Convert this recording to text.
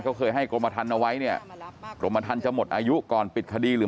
เขาเคยให้กรมทันเอาไว้เนี่ยกรมทันจะหมดอายุก่อนปิดคดีหรือ